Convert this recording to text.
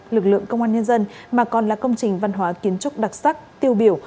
lực lượng công an nhân dân mà còn là công trình văn hóa kiến trúc đặc sắc tiêu biểu